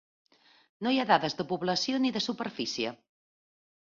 No hi ha dades de població ni de superfície.